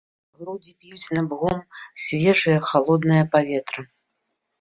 Грудзі п'юць набгом свежае, халоднае паветра.